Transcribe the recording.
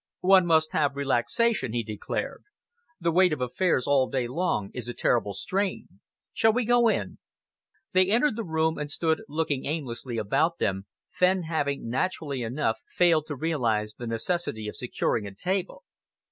"One must have relaxation," he declared. "The weight of affairs all day long is a terrible strain. Shall we go in?" They entered the room and stood looking aimlessly about them, Fenn having, naturally enough, failed to realise the necessity of securing a table.